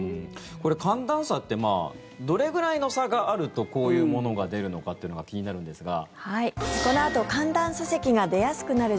これ、寒暖差ってどれぐらいの差があるとこういうものが出るのかというのが気になるんですが。